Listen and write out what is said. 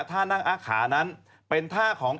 ท่านั่งอาขานั้นเป็นท่าของ